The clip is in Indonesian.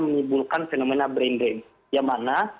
menyebabkan fenomena brain drain yang mana